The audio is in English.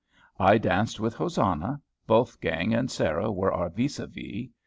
I danced with Hosanna; Wolfgang and Sarah were our vis à vis.